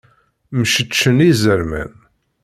Mceččen izerman.